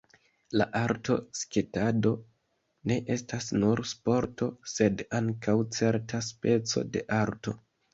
La arta sketado ne estas nur sporto, sed ankaŭ certa speco de arto.